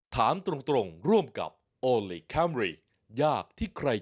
สนับสนุนโดยเอกลักษณ์ใหม่ในแบบที่เป็นคุณโอลีคัมรี